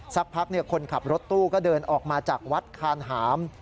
สักพักคนขับรถตู้ก็เดินออกมาจากวัดคานหาม